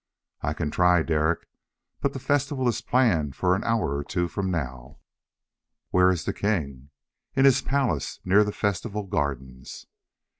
"I can try, Derek. But the festival is planned for an hour or two from now." "Where is the king?" "In his palace, near the festival gardens."